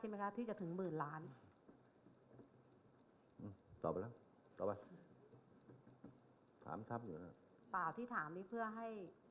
ป่าที่ถามนี้เพื่อให้